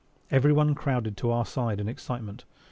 Everyone crowded to our side in excitement.